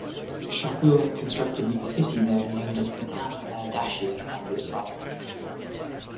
Shapur constructed a new city there and named it Batan Ardashir after his father.